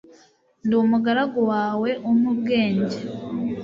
ndi umugaragu wawe, umpe ubwenge